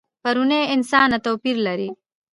پروني انسانه توپیر لري.